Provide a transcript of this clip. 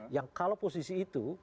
yang kalau posisi itu